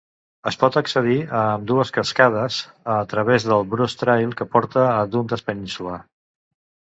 Es pot accedir a ambdues cascades a través del Bruce Trail, que porta a Dundas Peninsula.